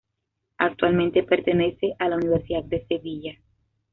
Actualmente pertenece a la Universidad de Sevilla.